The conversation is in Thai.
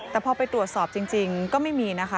แต่พอไปตรวจสอบจริงก็ไม่มีนะคะ